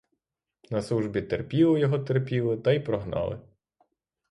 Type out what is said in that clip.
На службі терпіли його, терпіли та й прогнали.